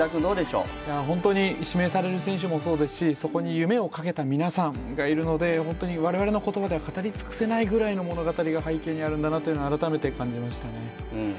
本当に指名される選手もそうですし、そこに夢をかけた皆さんがいるので、本当に我々の言葉では語り尽くせない物語が背景にあるんだなって改めて感じましたね。